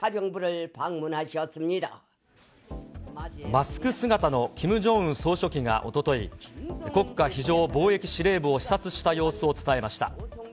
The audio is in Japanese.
マスク姿のキム・ジョンウン総書記がおととい、国家非常防疫司令部を視察した様子を伝えました。